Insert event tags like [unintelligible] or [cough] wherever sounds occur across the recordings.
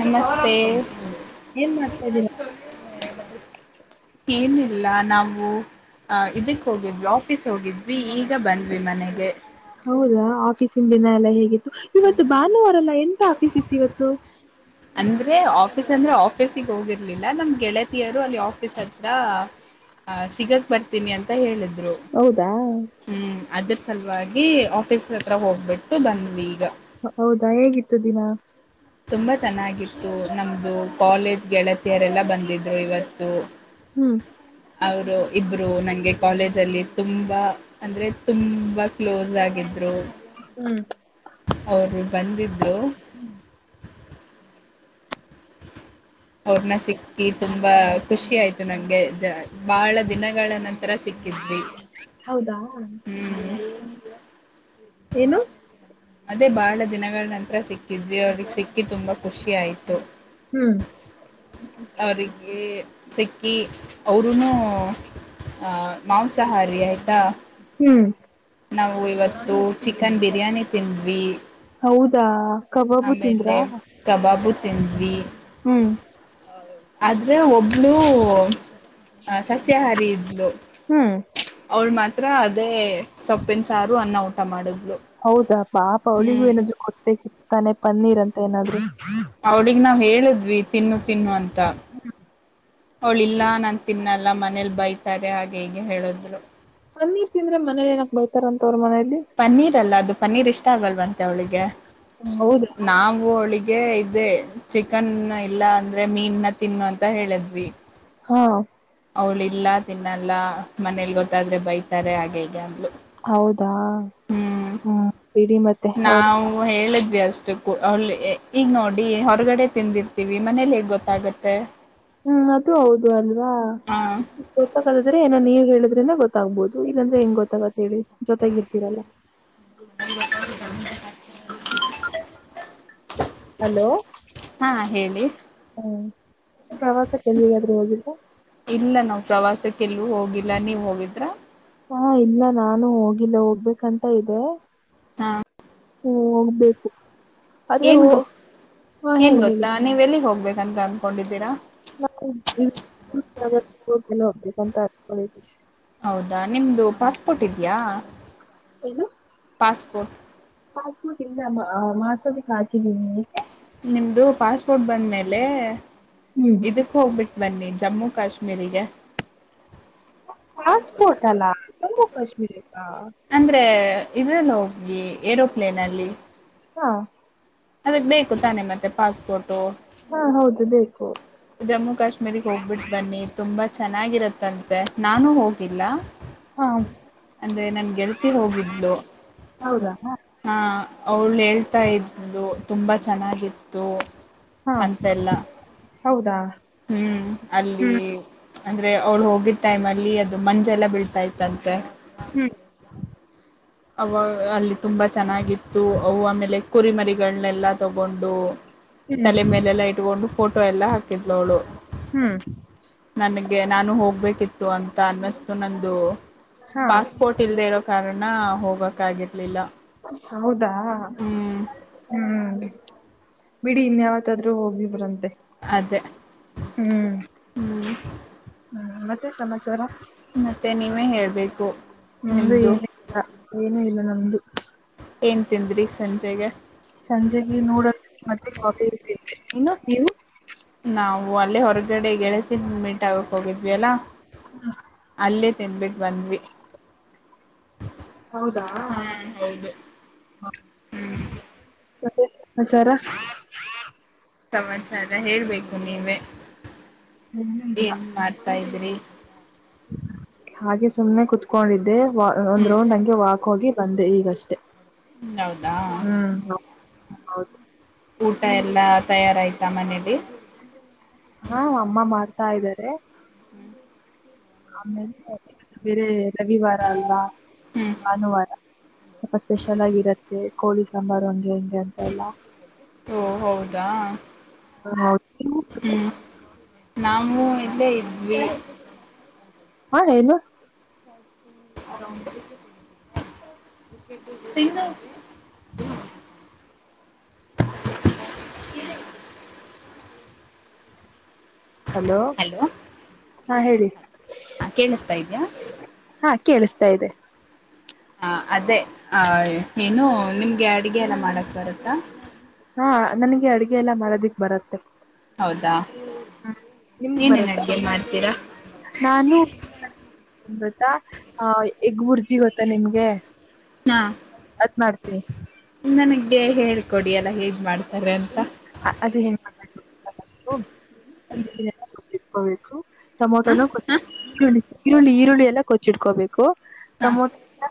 ನಮಸ್ತೆ ಏನ್ ಮಾಡ್ತಾ ಇದ್ದೀರಾ [unintelligible] ಏನಿಲ್ಲ ನಾವು ಆ್ ಇದಕ್ಕೆ ಹೋಗಿದ್ವಿ ಆಫೀಸ್ ಹೋಗಿದ್ವಿ ಈಗ ಬಂದ್ವಿ ಮನೆಗೆ ಹೌದಾ ಆಫೀಸ ದಿನ ಎಲ್ಲಾ ಹೇಗಿತ್ತು ಇವತ್ತು ಭಾನುವಾರಲ್ಲಾ ಎಂತ ಆಫೀಸ್ ಇತ್ತು ಇವತ್ತು ಅಂದ್ರೆ ಆಫೀಸ್ ಅಂದ್ರೆ ಆಫೀಸಿಗೆ ಹೋಗಿರ್ಲಿಲ್ಲ ನಮ್ ಗೆಳತಿಯರು ಅಲ್ಲಿ ಆಫ ತ್ರ ಸಿಗಕ್ ಬರ್ತೀನಿ ಅಂತ ಹೇಳಿದ್ರು ಹೌದಾ ಹ್ಮ್ ಅದ್ರ ಸಲುವಾಗಿ ಆಫೀಸ ಹತ್ರ ಹೋಗ್ಬಿಟ್ಟು ಬಂದ್ವಿ ಈಗ ಹೌದಾ ಹೇಗಿತ್ತು ದಿನಾ ತುಂಬಾ ಚೆನ್ನಾಗಿತ್ತು ನಮ್ದು ಕಾಲೇಜ್ ಗೆಳತಿಯರೆಲ್ಲ ಬಂದಿದ್ರು ಇವತ್ತು ಹ್ಮ್ ಅವರು ಇಬ್ರು ನಂಗೆ ಕಾಲೇಜ ಅಲ್ಲಿ ತುಂಬಾ ಅಂದ್ರೆ ತುಂಬಾ ಕ್ಲೋಸ್ ಆಗಿದ್ರು ಹ್ಮ್ ಅವರು ಬಂದಿದ್ರು [unintelligible] ಅವ್ರನ ಸಿಕ್ಕಿ ತುಂಬಾ ಖುಷಿ ಆಯ್ತು ನಂಗೆ ಜ ಬಹಳ ದಿನಗಳ ನಂತ ಥರ ಸಿಕ್ಕಿ್ ಹೌದಾ ಏನು ಅದೇ ಬಹಳ ದಿನಗಳ ನಂತರ ಸಿಕ್ಕಿದ್ವಿ ಅವ್ರಿಗೆ ಸಿಕ್ಕಿ ತುಂಬಾ ಖುಷಿ ಆಾಯ್ತು ಹ್ಮ್ ಅವರಿಗೆ ಸಿಕ್ಕಿ ಅವ್ರೂ ಆ ಮಾಂಸಾಹಾರಿ ಆಯತಾ ಹ್ಮ್ ನಾವು ಇವತ್ತು ಚಿಕನ್ ಬಿರಿಯಾನಿ ತಿಂದ್ವಿ ಹೌದಾ ಕಬಾಬು ತಿಂದ್ರಾ ಆಮೇಲೆ ಕಬಾಬು ತಿಂದ್ವಿ ಹ್ಮ್ ಆದ್ರೆ ಒಬ್ಳೂ ಸಸ್ಯಾಹಾರಿ ಇದ್ಲು ಹ್ಮ್ ಅವ್ಳ ಮಾತ್ರ ಅದೇ ಸೊಪ್ಪನ್ ಸಾರು ಅನ್ನ ಊಟ ಮಾಡಿದ್ಳಲು ಹೌದಾ ಪಾಪ ಅವಳಿಗೂ ಏನಾದ್ರು ಕೊಡ್ಬೇಕಿತಾನೆ ಪನ್ನೀರ್ ಅಂತ ಏನಾರು ಅವಳಗ್ ನಾವ್ ಹೇಳಿದ್ವಿ ತಿನ್ನು ತಿನ್ನು ಅಂತ ಅವಳ ಇಲ್ಲ ನಾನು ತಿನ್ನಲ್ಲ ಮನೇಲಿ ಬೈತಾರೆ ಹಾಗೆ ಹೀಗೆ ಹೇಳದ್ರು ಪಂಣ್ಣೇರ್ ತಿಂದ್ರೆ ಮನೇಲಿ ಏನಾಕ್ ಬರ್ತಾರ ಅಂತ ಅವರು ಮನೆಯಲ್ಲಿ ಪನ್ನೀರ್ ಅಲ್ಲ ಅದು ಪನ್ನೀರ್ ಇಷ್ಟ ಆಗಲ್ವಂತೆ ಅವಳಿಗೆ ಹೌದಾ ನಾವು ಅವಳಿಗೆ ಗೆ ಇದೆ ಚಿಕನ್ ಇಲ್ಲ ಅಂದ್ರೆ ಮೀನ್ ನ ತಿನ್ನು ಅಂತ ಹೇಳಿದ್ವಿ ಹಾ ಅವ್ಳ ಇಲ್ಲ ತಿನ್ನಲ್ಲ ಮನೇಲಿ ಗೊತ್ತಾದ್ರೆ ಬೈತಾರೆ ಹಾಗೆ ಹಗೆ ಅಂದ್ಲು ಹೌದಾ ಹ್ಮ್ ಹ್ಮ ಇಡೀ ಮತ್ತೆ ಅವ ನಾವು ಹೇಳಿದ್ವಿ ಅಷ್ಟು ಈಗ ನೋಡಿ ಹೊರಗಡೆ ತಿಂದಿರ್ತವಿ ಮನೇಲಿ ಹೇಗ್ ಗೊತ್ತಾಗುತ್ತೆ ಪೇ ಹ್ಮ್ ಅದು ಹೌದು ಅಲ್ವಾ ಹ ಗೊತ್ತಾಗದಾದ್ರೆ ಏನ ನೀ ಹೇಳಿದ್ರಿಂದ ಗೊತ್ತಾಗ್ಬಹುದು ಇಲ್ಲಾಂದ್ರೆ ಹೆಂಗ್ ಗೊತ್ತಾಗತ್ತ ಹೇಳಿ ಜೊತ್ತಾಗಿ ಇರ್ತೀರಲ್ಲ [inaudible] ಹಲೋ ಹಾ ಹೇಳಿ ಹ್ಮ ಮತ್ತೆ ಪ್ರವಾಸಕ್ಕೆಲ್ಗಾದ್ರೂ ಹೋಗಿಲ್ಲ ಇಲ್ಲ ನಾವು್ ಪ್ರವಾಸಕ್ಕೆಲ್ಲೂ ಹೋಗಿಲ್ಲ ನೀವ್ ಹೋಗಿದ್ರ ಹಾ ಇಲ್ಲ ನಾನು ಹೋಗಿಲ್ಲ ಹೋಗ್ಬೇಕಂತ ಇದೆ ಹಾ ಹ್ಮ ಹೋಗ್ಬೇಕು ಆದ್ರೆ ಏನ್ ಹೋ ಗೊ ಹಾ ಏನ್ ಹೇಳಿ ಹೇಳಿ ಗೊತ್ತಾ ನೀ್ ಎಲ್ಲಿಗ್ ಹೋಗ್ಬೇಕಂತ ಅನ್ಕೊಂಡಿದ್ದೀರಾ ನಾವು ಹೋಗ್ಬೇಕಂತ ಅ ಹ ಹೌದಾ ನಿಮದು ಪಾಸ್ಪೋರ್ಟ್ ಇದೆಯಾ ಪಾಸ್ಪೋರ್ಟ್ ಸ್ಫುಡ್ ಇಲ್ಲ ಮಾಸದಕ್ ಹಾಕಿದ್ದಿಗೆ ನಿಮ್ಮದು ಪಾಸ್ಪೋರ್ಟ್ ಬಂದಮೇಲೆ ಹ್ಮ್ ಇದಕ್ಕೆ ಹೋಗ್ಬಿಟ್ಟು ಬನ್ನಿ ಜಮ್ಮು ಕಾಶ್ಮೀರಿಗೆ ಪಾಸ್ಪೋರ್ಟಲ್ಲ ಜಮ್ಮಮ್ಮು ಕಶ್ಮೀರದ ಅಂದರೆ ಇದರಲ್ಲಿ ಹೋಗಿ ಏರೋಪ್ಲೇನಲ್ಲಿ ಹಾ ಅದಕ್ಕೆ ಬೇಕು ತಾನೆ ಮತ್ತೆ ಪಾಸ್ಪೋರ್ಟು ಹಾ ಹೌದು ಬೇಕು ಜಮ್ಮು ಕಾಶ್ಮೀರಿಗೆ ಹೋಗ್ಬಿಟ್ಟು ಬನ್ನಿ ತುಂಬಾ ಚೆನ್ನಾಗಿರತ್ತಂತೆ ನಾನು ಹೋಗಿಲ್ಲ ಹಾ ಅಂದ್ರೆ ನನ್ ಗೆಳತಿ ಹೋಗಿದ್ಲು ಹೌದಾ ಅವಳ ಹೇಳ್ತಾ ಇದು ತುಂಬ ಚೆನ್ನಾಗಿತ್ತು ಹಾ ಅಂತೆಲ್ಲ ಹೌದಾ ಹ್ಮ್ ಅಲ್ಲಿ ಹ್ಮ್ ಅಂದ್ರೆ ಅವ್ಳು ಹೋಗಿದ ಟೈಮ ಅಲ್ಲಿ ಅದು ಮಂಜೆಲ್ಲ ಬೀಳ್ತಾ ಇತ್ತಂತೆ ಹ್ಮ್ ಅವ ಅಲ್ಲಿ ತುಂಬ ಚೆನ್ನಾಗಿತ್ತು ಅವು ಆಮೇಲೆ ಕುರಿಮರಿಗಳನ್ನೆಲ್ಲ ತಗೊಂಡು ಹ್ಮ್ ತಲೆ ಮೇಲೆಲ್ಲ ಇಟ್ಕೊಂಡು ಫೋಟೋ ಎಲ್ಲ ಹಾಕಿದ್ಳವಳು ಹ್ಮ್ ನನಗೆ ನಾನು ಹೋಗ್ಬೇಕಿತ್ತು ಅಂತ ಅನ್ನಿಸ್ತು ನಂದು ಹಾ ಪಾಸ್ಪೋರ್ಟ್ ಇಲ್ದೆ ಇರೋ ಕಾರಣ ಹೋಗಕ್ಗರ್ಲಿಲ್ಲ ಹೌದಾ ಹ್ಮ್ ಬಿಡಿ ಇನ್ಯಾವತ್ತಾದ್ರೂ ಹೋಗಿ ಬ್ರಂತೆ ಅದೇ ಹ್ಮ್ ಹ್ಮ್ ಹ್ಮ್ ಮತ್ತೆ ಸಮಾಚಾರ ಮತ್ತೆ ನೀವೇ ಹೇಳ್ಬೇಕು ನಮ್ದು ನಿಮ್ದು ಏನು ಇಲ್ಲ ಏನುೂ ಇಲ್ಲ ನಮ್ದು ಏನ್ ತಿಂದ್ರಿ ಸಂಜೆಗೆ ಸಂಜೆಗೆ ನೋಡದು ಮತ್ತೆ ಕಾಪಿ ಇನ್ನು ನೀವು ನಾವು ಅಲ್ಲೇ ಹೊರಗಡೆ ಗೆಳತಿನ ಮೀಂಟ್ ಆಗಕ್ ಹೋಗಿದ್ವಿ ಅಲ್ಲ ಅಲ್ಲೇ ತಿದ್ಬಿಟ್ಟು ಬಂದ್ವಿ ಹೌದಾ ಹಾ ಹೌದು ಹ್ಮ್ ಮತ್ತೆ ಹಚಾರ ಸಮಾಚಾರ ಹೇಳ್ಬೇಕು ನೀವೇ ಏನು ಇಲ್ಲ ಏನ್ ಮಾಡ್ತಾ ಇದ್ರಿ ಹಾಗೆ ಸುಮ್ನೆ ಕುತ್ಕೊಂಡಿದ್ದೆ ಒಂದ್ ಹ್ಮ್ ರೌಂಡ್ ಹಂಗೆ ವಾಕ್ ಹೋಗಿ ಬಂದೆ ಈಗಷ್ಟೇ ಹೌದಾ ಹ್ಮ್ ಹೌದು ಊಟ ಎಲ್ಲ ತಯಾರಾಯ್ತಾ ಮನೇಲಿ ಹಾ ಅಮ್ಮ ಮಾಡ್ತಾ ಇದ್ದಾರೆ ಹ್ಮ್ ಆಮೇಲೆ ಬೇರೆ ರವಿವಾರ ಅಲ್ಲ ಹ್ಮ್ ಭಾನುವಾರ ಸ್ವಲ್ಪ ಸ್ಪೆಷಲ್ ಆಗಿ ಇರುತ್ತೆ ಕೋಳಿ ಸಾಂಬಾರ್ ಹಂಗೆ ಹೆಂಗೆ ಅಂತ ಎಲ್ಲ ಓ ಹೌದಾ ಹ ಹೌದು ಹ್ಮ್ ನಾವವು ಇಲ್ಲೇ ಇದ್ವಿ ಹಾ ಏನು [unintelligible] ಹಲೋ ಹಾ ಹೇಳಿ ಕೇಳಿಸ್ತಾ ಇದೀಯಾ. ಹಾ ಕೇಳಿಸ್ತಾ ಇದೆ ಹ ಅದೇ ಆ ಏನು ನಿಮ್ಗೆ ಅಡುಗೆ ಎಲ್ಲಾ ಮಾಡಕ್ ಬರುತ್ತಾ. ಹಾ ನನಗೆ ಅಡುಗೆ ಎಲ್ಲಾ ಮಾಡೋದಿಕ್ ಬರತ್ತೆ. ಹೌದಾ ನಿಮ್ಗ್ ಏನೇನ್ ಬರತ್ತಾ ಅಡ್ಗೆ ಮಾಡ್ತೀರಾ. ನಾನು ಗೊತ್ತಾ ಆ ಎಗ್ ಬುರ್ಜಿ ಗೊತ್ತಾ ನಿಮ್ಗೆ? ಹಾ ಅದ ಮಾಡ್ತೀನೀ. ನನಗೆ ಹೇಳ್ಕೊಡಿ ಅಲಾ ಹೇಗ್ ಮಾಡ್ತಾರೆ ಅಂತ. [unintelligible] ಇಟ್ಕೋಬೇಕು ಹ ಟೊಮೊಟೋನ ಹ ಈರುಳ್ಳಿ ಈರುಳ್ಳಿ ಎಲ್ಲಾ ಕೊಚ್ಚಿಡ್ಕೋಬೇಕು. ಹ ಟಮೊಟೋ ಎಲ್ಲಾ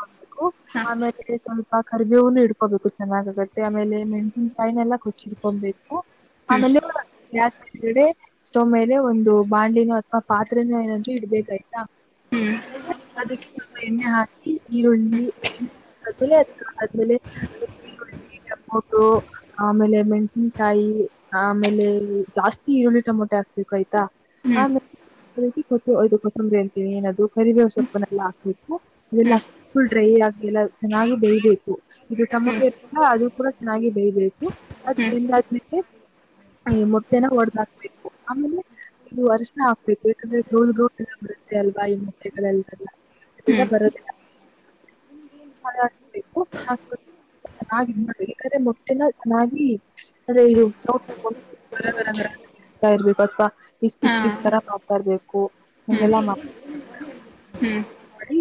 ಕೊಚಿಟ್ಕೋಬೇಕು ಹ ಆಮೇಲೆ. ಸ್ವಲ್ಪ ಕರ್ಬೇವನು ಇಡ್ಕೋಬೇಕು ಚೆನ್ನಾಗಾಗತ್ತೆ ಆಮೇಲೆ ಮೆಣಸಿನಕಾಯಿನಾ ಎಲ್ಲಾ ಕೊಚ್ಚಿಡ್ಕೊಬೇಕ. ಆಮೇಲೆ ಗ್ಯಾಸ್ಡೆ ಸ್ಟೋ ಮೇಲೆ ಒಂದು. ಬಾಂಡೆನೋ ಅಥವಾ ಪಾತ್ರೆನೋ ಏನಾದೂ ಇಡ್ಬೇಕಾಯ್ತಾ ಹ್ಮ್ ಅದಕೆ. ಎಣ್ಣೆ ಹಾಕಿ ಈರುಳ್ಳಿ ಹಾಕಿ ಆದ್ಮೇಲೆ [unintelligible] ಟಮೋಟೋ ಆಮೇಲೆ [unintelligible] ಮೆಣಸಿನಕಾಯಿ ಆಮೇಲೆ ಜಾಸ್ತಿ ಈರುಳ್ಳಿ ಟೊಮೊಟೆ ಹಾಕ್ಬೇಕು ಆಯ್ತಾ. ಹ್ಮ್ ಮೆಂತಿ ಸೊಪ್ಪು ಅದು ಕೊತ್ತಂಬರಿ ಅಂತೀವಿ ಏನದು ಸ್ವಪ್ಪ ಎಲ್ಲಾ ಹಾಕ್ಬೇಕು. ಅದೆಲ್ಲ ಹ್ಮ್ ಫುಲ್ ಡ್ರೈ ಆಗಿ ಎಲ್ಲಾ ನಾನು ಡೈಲಿ ಉಪ್ಪು [unintelligible] ಇದು ಟೊಮೊಟೋ ಹ್ಮ್ ಇತ್ತ ಅಲ್ಲ ಅದು ಕೂಡ ಚೆನ್ನಾಗಿ ಬೆೇಯ್ಬೇಕು ಅದು ಹ್ಮ್ ಬೆಂದ ಆದಮೇಲೆ. ಈ ಮೊಟ್ಟೆನ ಓಡಾದ ಹಾಕ್ಬೇಕು ಆಮೇಲೆ ಅರಿಶಿನ ಹಾಕ್ಬೇಕು ಯಾಕಂದ್ರೆ ಗೋದ ಗೋ ಬರುತ್ತೆ ಅಲ್ವಾ ಈ ಮೊಟ್ಟೆಗಳೆಲ್ಲೆಲ್ಲ ಅದೆಲ್ಲ ಹ್ಮ್ ಬರೋದಿಲ್ಲ. [unintelligible] ಹಾಕ್ಬೇಕು ಹಾ ಮೂಟೆ ನಾ ಯಾಕಂದ್ರೆ ಮೊಟ್ಟೆನ ಚೆನ್ನಾಗಿ [unintelligible] ಪೀಸ್ ಹಾ ಪೀಸ ಪೀಸ್ ತರ ಮಾಡಾತಾ ಇರಬೇಕು. ಹ್ಮ್ ಹ್ಮ್ ಮಾಡಿ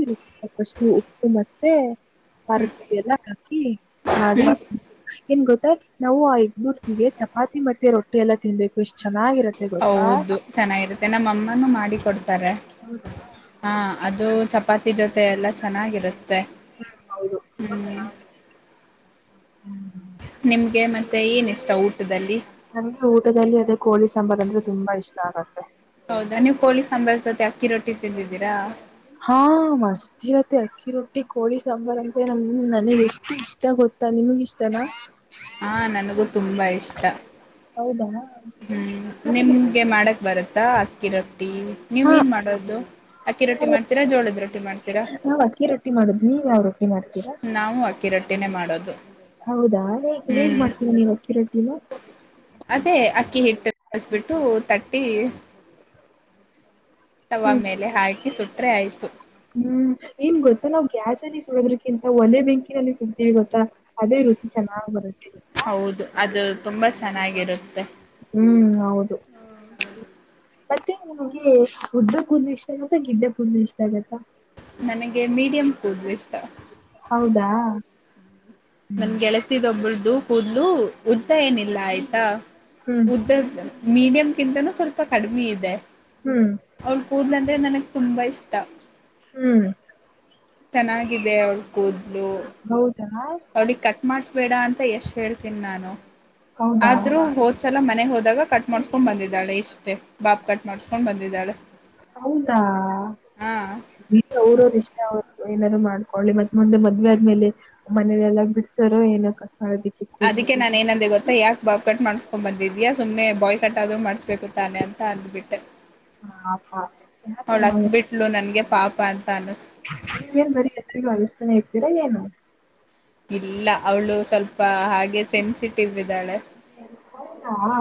ಫಸ್ಟ್ ಉಪ್ಪು ಮತ್ತೆ. ಖಾರದ ಪುಡಿ ಎಲ್ಲ ಹಾಕಿ ಖಾಲಿ. ಏನ್ ಗೊತ್ತಾ ನಾವು ಆ ಎಗ್ಬುರ್ಜಿ ಜೊತೆ ಚಪಾತಿ ಮತ್ತೆ ರೊಟ್ಟಿ ಎಲ್ಲಾ ತಿನ್ಬೇಕು ಎಷ್ಟ ಚೆನ್ನಾಗಿರುತ್ತೆ ಹೌದು ಚೆನ್ನಾಗಿರುತ್ತೆ ನಮ್ಮ ಅಮ್ಮನ ಮಾಡಿ ಕೊಡ್ತಾರೆ. ಹೌದಾ ಹಾ ಅದು ಚಪಾತಿ ಜೊತೆ ಎಲ್ಲ ಚೆನ್ನಾಗಿರುತ್ತೆ ಹೌದು ತುಂಬಾ ಹ್ಮ್ ಚೆನ್ನಾಗಿ ಹ್ಮ್ ನಿಮ್ಗೆ ಮತ್ತೆ ಏನ ಇಷ್ಟ ಊಟದಲ್ಲಿ. ನಮಗೆ ಊಟದಲ್ಲಿ ಅದೇ ಕೋಳಿ ಸಾಂಬಾರ್ ಅಂದ್ರೆ ತುಂಬಾ ಇಷ್ಟ ಆಗತ್ತೆ. ಹೌದಾ ನೀವು ಕೊಳ್ಳಿ ಸಾಂಬಾರಾ ಜೊತೆ ಅಕ್ಕಿ ರೊಟ್ಟಿ ತಿಂದಿದ್ದೀರಾ. ಹಾ ಮಸ್ತ್. ಇರುತೆ ಅಕ್ಕಿ ರೊಟ್ಟಿ ಕೋಳಿ ಸಾಂಬಾರ್ ಅಂದ್ರೆ ನಂಗ್ ನನಗೆ ಎಷ್ಟು ಇಷ್ಟ ಗೊತ್ತಾ ನಿಮಗ ಇಷ್ಟನಾ? [unintelligible] ಹಾ ನನಗೂ ತುಂಬಾ ಇಷ್ಟ ಹೌದಾ. ಹ್ಮ್ ಮತ್ತೆ ನಿಮ್ಗೆ ಮಾಡಕ್ ಬರತ್ತಾ ಅಕ್ಕಿ ರೊಟ್ಟಿ ನೀವ ಏನ್ ಮಾಡೋದು ಅಕ್ಕಿ ರೊಟ್ಟಿ ಮಾಡ್ತಿರೋ ಜೋಳದ ರೊಟ್ಟಿ ಮಾಡ್ತೀರಾ ನಾವ್ ಅಕ್ಕಿ ರೊಟ್ಟಿ ಮಾಡುದ್ ನೀವ ಯಾವ ರಟ್ಟಿ ಮಾಡ್ತೀರಾ ನಾವು ಅಕ್ಕಿ ರೊಟ್ಟಿನೇ ಮಾಡೋದು ಹೌದಾ ಹೇಗ್ ಹ್ಮ್ ಮಾಡ್ತೀಿ ನೀವ ಅಕ್ಕಿ ರೊಟ್ಟಿನ ಅದೇ ಅಕ್ಕಿ ಹಿಟ್ಟು ಕಲಿಸ್ಬಿಟ್ಟ ತಟ್ಟಿ ತವಾ ಹ್ಮ್ ಮೇಲೆ ಹಾಕಿ ಸುಟ್ರೆ ಆಯ್ತು ಹ್ಮ್ ಏನ್ ಗೊತ್ತಾ ನಾವ್ ಗ್ಯಾಸ ಅಲ್ಲಿ ಸುಡೋದ್ರಕ್ಕಿಂತ ಒಲೆ ಬೆಂಕಿನಲ್ಲಿ ಸುಡ್ತೀವಿ ಗೊತ್ತಾ ಅದೇ ರುಚಿ ಚೆನ್ನಾಗ್ ಬರುತ್ತ ಹೌದು ಅದು ತುಂಬಾ ಚೆನ್ನಾಗಿರುತ್ತೆ ಹ್ಮ್ ಹೌದು ಮತ್ತೆ ನಿಮಗೆ ಉದ್ದ ಕೂ ಇಷ್ಟ ಆಗತ್ತ ಗಿಡ್ ಕೂುದಲು ಇಷ್ಟ ಆಗತ್ತಾ ನನಗೆ ಮೀಡಿಯಂ ಕೂದಲು ಇಷ್ಟ ಹೌದಾ ಹ್ಮ್ ನನ್ ಗೆಳತಿದ ಒಬ್ರ್ದು ಕೂದ್ಲು ಉದ್ದ ಏನಿಲ್ಲ ಆಯ್ತಾ ಹ್ಮ್ ಉದ್ದದ ಮೀಡಿಯಂ ಕಿಂತನೂ ಸ್ವಲ್ಪ ಕಡಿಮೆ ಇದೆ ಹ್ಮ್ ಅವ್ಳ ಕೂದ್ಲ ಅಂದ್ರೆ ನನಗ್ ತುಂಬಾ ಇಷ್ಟ ಹ್ಮ್ ಚೆನ್ನಾಗಿದೆ ಅವ್ಳ ಕೂದ್ಲು ಹೌದಾ ಅವಳಿಗೆ ಕ ಮಾಡಸ್ಬೇಡ ಅಂತ ಎಷ್ಟ್ ಹೇಳ್ತೀನಿ ನಾನು ಹೌದಾ ಆದ್ರೂ ಹ ಒಂದ್ಸಲ ಮನೆ ಹೋದಾಗ ಕಟ್ ಮಾಡಸ್್ಕೊಂಡು ಬಂದಿದ್ದಾಳೆ ಇಷ್ಟೇ ಬಾಬ ಕಟ್ ಮಾಡಸ್ಕೊಂಡು ಬಂದಿದ್ದಾಳೆ ಹೌದಾ ಹಾ ಕ್ ಊರೌರ್ ಇಷ್ಟ ಅವ್ ಏನಾರು ಮಾಡ್ಕೊಳ್ಳಿ ಮತ್ತೆ ಮುಂದೆ ಮದ್ವೆ ಆದ್ಮೇಲೆ ಮನೇಲೆಲ್ಲ ಬಿಡ್ತಾರೋ ಏನು ಕಸಾಗಿ ಅದಕ್ಕೆ ನನ್ ಏನಂದೆ ಗೊತ್ತ ಯಾಕ ಬಾಬ್ ಕಟ್ ಮಾಡ್ಸ್ಕೊಂಡ್ ಬಂದಿದ್ಯಾಾ ಸುಮ್ಮನೆ ಬಾಯ್ ಕಟ್ ಆದ್ರು ಮಾಡ್ಬೇಕು ತಾನೆ ಅಂತ ಅಂದ್ಬಿಟ್ಟೆ ಪಾಪ ಯಾಕಮ್ಮ ಅವ್ಳತ್ ಬಿಟ್ ಲು ನನ್ಗೆ ಪಾಪ ಅಂತ ಅನ್ನಿಸ್ತು ನೀವೇನ್ ಬರೀ ಕತ್ತಿನ ಅಳ್ಳುಸ್ತಾನೇ ಇರ್ತೀರಾ ಏನು ಇಲ್ಲ ಅವ್ಳು ಸ್ವಲ್ಪ ಹಾಗೆ ಸೆನ್ಸಿಟಿವ್ ಇದ್ದಾಳೆ ಹೌದಾ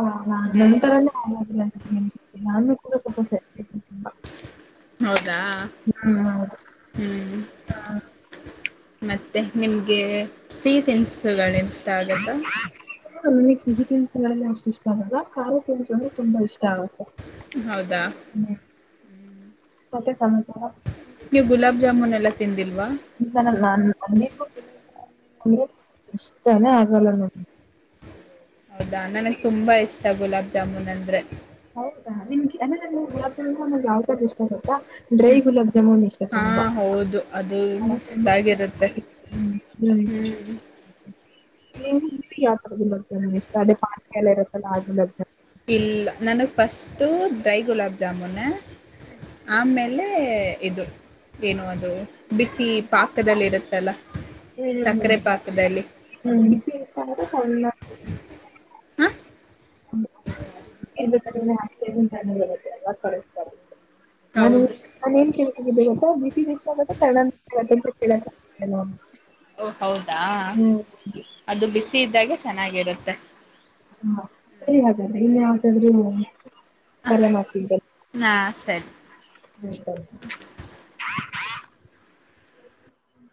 ನಂತರನೇ ನಾನು ಕೂಡ ಸ್ಪಲ್ಪ್ ಸೆ [inaudible] ಹೌದಾ ಹ್ಮ್ ಹ್ಮ್ ಮತ್ತೆ ನಿಮ್ಗೆ ಸೀ ತನ್ಸುಗಳಿಷ್ಟ ಆಗತ್ತಾ ನನಗೆ ಸಿಹಿ ತಿನ್ಸಗಳೆಲ್ಲ ಅಷ್ಟು ಇಷ್ಟ ಆಗಲ್ಲ ಖಾರ ತಿನ್ಸು ಅಂದ್ರೆ ತುಂಬಾ ಇಷ್ಟ ಆಗತ್ತೆ ಹೌದಾ ಹ್ಮ್ ಮತ್ತೆ ಸಮಚಾರ ನೀವು ಗುಲಾಬ್ ಜಾಮೂನೆಲ್ಲಾ ತಿಂದಿಲ್ವಾ ಗ ನಾನನ--ಅಂಗ್ಡಿಗೊಗ್ ಅಂದ್ರೆ ಇಷ್ಟಾನೇ ಆಗಲ್ಲ ನನ್ಗೆ ಹೌದಾ ನನಗ್ ತುಂಬಾ ಇಷ್ಟ ಗುಲಾಬ್ ಜಾಮೂನಂದ್ರೆ ಹೌದಾ ನಿಮ್ಗ್ ಹಂಗಂದ್ರೆ ಗುಲಾಬ್ ಜಾಮೂನ್ ಯಾವದಂಡ್ರಿಷ್ಟ ಇಷ್ಟ ಗೊತ್ತ ಡ್ರೈ ಗುಲಾಬ್ ಜಾಮೂನ್ ಇಷ್ ಹಾ ತುಂಬ ಹೌದು ಅದು ನಾನು ಮಸ್ತ್ ತುಂಬಾ ಆಗಿರುತ್ತೆ ಹ್ಮ ಹ್ಮ್ ನೀ ಯಾವ್ ತರ ಗುಲಾಬ್ ಜಾಮೂನ್ ಇಷ್ಟ ಅದೇ ಪಾಕ ಎಲ್ಲ ಇರತ್ತಲ್ಲ ಆ ಗುಲಾಬ್ ಜಾ ಇಲ್ಲ ನನಗ್ ಫಸ್ಟು ಡ್ರೈ ಗುಲಾಬ್ ಜಾಮೂನೆ ಆಮೇಲೆ ಇದು ಏನು ಅದು ಬಿಸಿ ಪಾಕದಲ್ಲಿರುತ್ತಲ್ಲ ಹ್ಮ್. ಸಕ್ಕ್ರೆ ಪಾಕದಲ್ಲಿ ಹ್ಮ್ ಬಿಸಿ ಇಷ್ಟಾಗುತ್ತಾ ತಣ್ಣ ಹ [inaudible] ತಿನ್ಬೇಕರೇನೇ ಆರ್ಸಸ್ತಾ---ತಣ್ಣಗಾಗುತ್ತೆ ಅಲ್ವ ಸ--ದಿಷ್ಟಗುತ್ತೆ [inaudible] ನಾನ ಹೌದು ನಾನನ್ ಕಿದ್ದ ಬಿಸಿ ಆತ್ತ ಸ ಓ ಹೌದಾ ಅದು ಬಿಸಿ ಇದ್ದಾಗೆ ಚೆನ್ನಾಗಿರುತ್ತೆ ಹಾ ಸರಿ ಹಾಗಾದ್ರೆ ಇನ್ ಯಾವಾದ್ರೂ ಕರೆ ಮಾಡ್ತಿದ್ದ ನಾ ಸರಿ ಹ [inaudible]